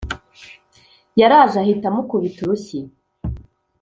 Yaraje ahita amukubita urushyi